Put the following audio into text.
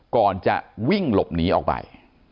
ก่อนจะวิ่งหลบหนีออกไป